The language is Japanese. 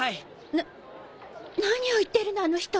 な何を言ってるのあの人？